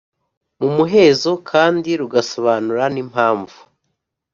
Mu muhezo kandi rugasobanura n impamvu